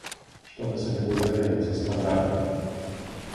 Што вы сабе дазваляеце, спадар?